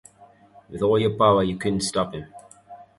With all your power, you couldn't stop him.